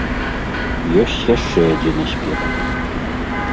Ёсць яшчэ адзін аспект.